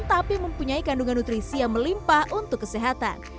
tapi mempunyai kandungan nutrisi yang melimpah untuk kesehatan